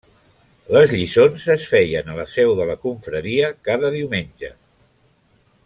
Les lliçons es feien a la seu de la confraria cada diumenge.